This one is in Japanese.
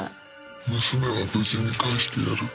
「娘は無事に返してやる」